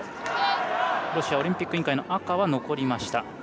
ロシアオリンピック委員会の赤は残りました。